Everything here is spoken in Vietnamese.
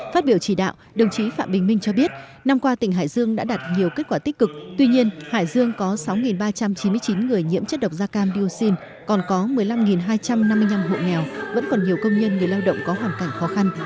phát biểu chỉ đạo đồng chí phạm bình minh cho biết năm qua tỉnh hải dương đã đạt nhiều kết quả tích cực tuy nhiên hải dương có sáu ba trăm chín mươi chín người nhiễm chất độc da cam dioxin còn có một mươi năm hai trăm năm mươi năm hộ nghèo vẫn còn nhiều công nhân người lao động có hoàn cảnh khó khăn